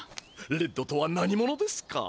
レッドとは何者ですか？